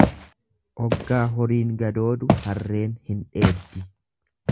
Oggaa horiin gadoodu harreen hin dheeddi.